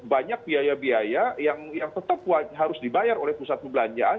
banyak biaya biaya yang tetap harus dibayar oleh pusat perbelanjaan